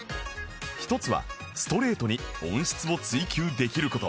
一つはストレートに音質を追求できる事